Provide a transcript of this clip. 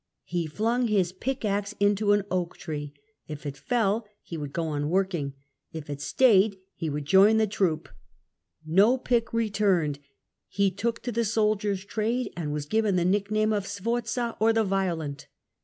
He flung his pickaxe into an oak tree ; if it fell he would go on working, if it stayed he would join the troop. No pick returned, he took to the soldiers trade, and was given the nickname of Sforza or the Violent.